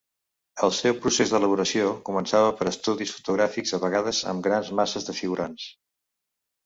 El seu procés d'elaboració començava per estudis fotogràfics, a vegades amb grans masses de figurants.